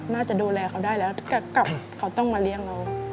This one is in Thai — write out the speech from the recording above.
น่าจะดูแลเขาได้แล้วแต่กลับเขาต้องมาเลี้ยงเรา